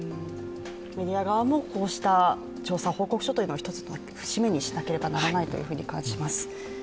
メディア側もこうした調査報告書を節目にしなければならないと感じます。